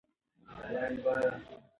موږ باید له مخکني قضاوت څخه ځان وساتو.